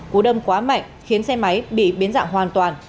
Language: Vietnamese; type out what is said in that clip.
cú đâm quá mạnh khiến xe máy bị biến dạng hoàn toàn